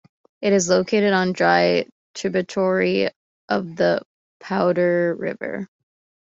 It is located on a dry tributary of the Powder River.